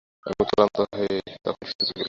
আমি ক্লান্ত হয়ে তখনি শুতে গেলুম।